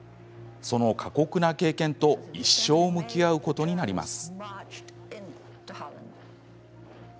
その過酷な経験と一生向き合うことになります。